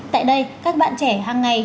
tại đây các bạn trẻ hằng ngày